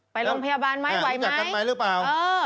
ไปโรงพยาบาลไหมไหวไหมเอออ่ารู้จักกันไหมหรือเปล่า